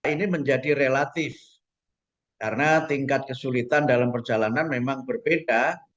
ini menjadi relatif karena tingkat kesulitan dalam perjalanan memang berbeda